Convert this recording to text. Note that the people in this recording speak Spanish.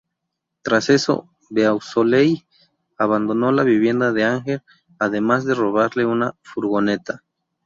Tras eso, Beausoleil abandonó la vivienda de Anger, además de robarle una furgoneta.